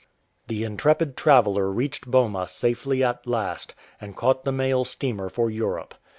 The intrepid traveller reached Boma safely at last, and caught the mail steamer for Europe.